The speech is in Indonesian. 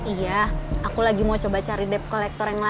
iya aku lagi mau coba cari debt collector yang lain